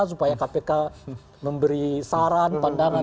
supaya kpk memberi saran pandangan